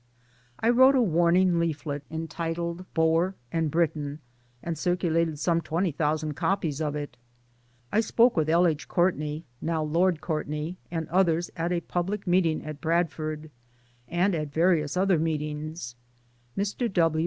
I wrote a warning leaflet entitled Boer and Briton and circulated some twenty thousand copies of it. I spoke with L 1 . H. Courtney (now Lord Courtney) and others at a public meeting at Bradford, and at various other meetings. Mr.